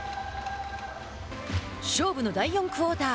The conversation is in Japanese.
勝負の第４クオーター。